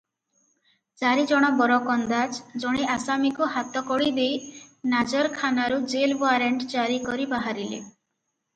ଚାରି ଜଣ ବରକନ୍ଦାଜ ଜଣେ ଆସାମୀକୁ ହାତକଡ଼ି ଦେଇ ନାଜରଖାନାରୁ ଜେଲ ଓଆରଣ୍ଟ ଜାରି କରି ବାହାରିଲେ ।